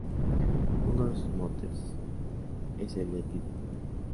Uno de sus motes es el de 'Pitbull'.